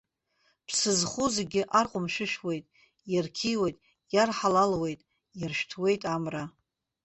Ԥсы зхоу зегьы арҟәымшәышәуеит, иарқьиоит, иарҳалалуеит, иаршәҭуеит амра.